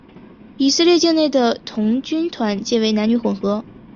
以色列境内的童军团皆为男女混合。